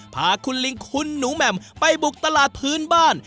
พาคุณลิงคุณหนูแหม่มไปบุกตลาดพื้นบ้าน